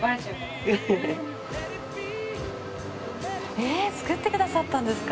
えっ作ってくださったんですか？